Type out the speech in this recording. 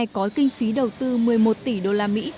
có kinh phí đầu tư một mươi một tỷ đô la mỹ